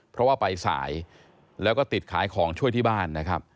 เพราะว่าไปสายแล้วก็ติดขายของช่วยที่บ้านนะครับ